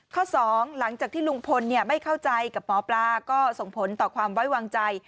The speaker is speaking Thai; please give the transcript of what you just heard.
สองหลังจากที่ลุงพลไม่เข้าใจกับหมอปลาก็ส่งผลต่อความไว้วางใจ